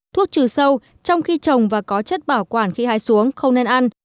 thuốc trừ sâu trong khi trồng và có chất bảo quản khi hái xuống không nên ăn